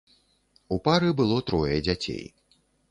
У пары было трое дзяцей.